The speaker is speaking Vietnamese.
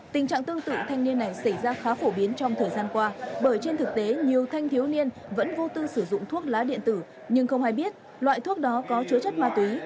tình trạng tương tự thanh niên này xảy ra khá phổ biến trong thời gian qua bởi trên thực tế nhiều thanh thiếu niên vẫn vô tư sử dụng thuốc lá điện tử nhưng không ai biết loại thuốc đó có chứa chất ma túy